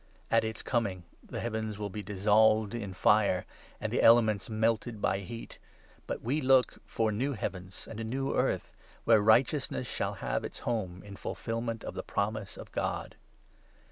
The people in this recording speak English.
At its coming the heavens will be dissolved in fire, and the elements melted by heat, but we look for ' new 13 heavens and a new earth,' where righteousness shall have its home, in fulfilment of the promise of God.